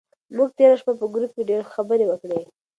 موږ تېره شپه په ګروپ کې ډېرې خبرې وکړې.